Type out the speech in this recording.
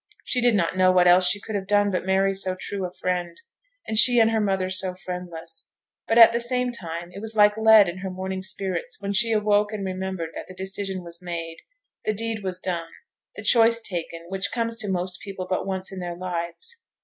She did not know what else she could have done but marry so true a friend, and she and her mother so friendless; but, at the same time, it was like lead on her morning spirits when she awoke and remembered that the decision was made, the dead was done, the choice taken which comes to most people but once in their lives.